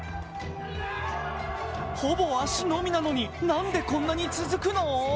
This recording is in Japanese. ほぼ足のみなのになんでこんな続くの！？